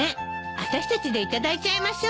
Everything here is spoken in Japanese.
あたしたちでいただいちゃいましょうよ。